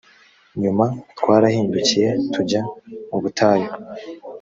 nyuma twarahindukiye tujya mu butayu